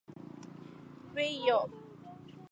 うぇいよ